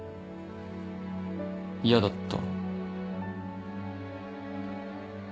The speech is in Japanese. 嫌だった？